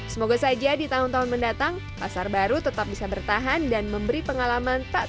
semoga saja di tahun tahun mendatang pasar baru tetap bisa bertahan dan memberi pengalaman tak